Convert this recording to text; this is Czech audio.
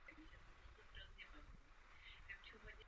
Jakým způsobem předsednictví Ukrajině v tomto procesu pomůže?